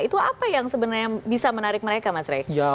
itu apa yang sebenarnya bisa menarik mereka mas rey